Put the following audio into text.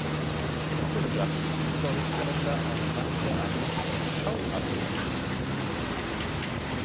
Im Punjab bedeutet "kalender" „einen Mann, der einen Schau-Affen trainiert“.